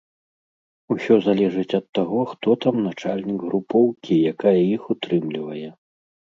Усё залежыць ад таго, хто там начальнік групоўкі, якая іх утрымлівае.